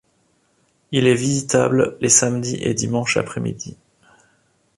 Il est visitable les samedi et dimanche après-midi.